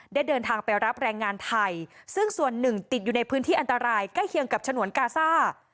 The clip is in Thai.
เดินทางไปรับแรงงานไทยซึ่งส่วนหนึ่งติดอยู่ในพื้นที่อันตรายใกล้เคียงกับฉนวนกาซ่า